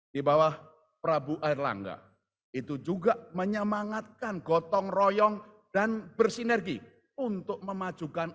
dibawah prabu erlangga itu juga menyemangatkan gotong royong dan bersinergi untuk memajukan